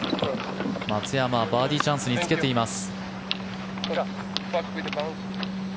松山はバーディーチャンスにつけています。